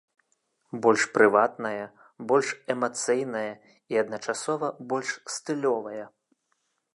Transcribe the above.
Больш прыватная, больш эмацыйная і адначасова больш стылёвая.